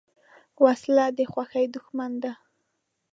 وسله د خوښۍ دښمن ده